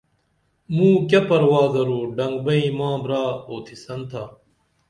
موں کیہ پروا درو ڈنگبئیں ماں برا اُوتِھسن تھا